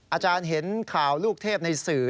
อาจารย์เห็นข่าวลูกเทพในสื่อ